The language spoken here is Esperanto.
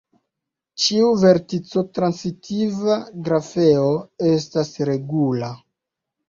Ĉiu vertico-transitiva grafeo estas regula.